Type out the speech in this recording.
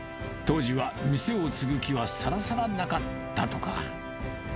当時は、店を継ぐ気はさらさらなかったとか。